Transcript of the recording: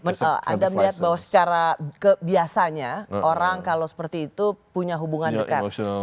jadi anda melihat bahwa secara kebiasanya orang kalau seperti itu punya hubungan dekat